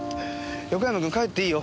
横山君帰っていいよ。